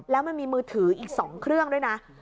แล้วมันมีมือถืออีก๒เครื่องด้วยนะ